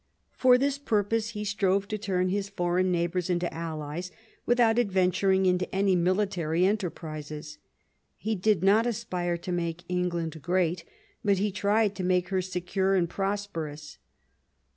For this II THE FRENCH ALLUNCE 21 purpose he strove to turn his foreign neighbours into allies without adventuring into any military enterprises. He did not aspire to make England great, but he tried to make her secure and prosperous.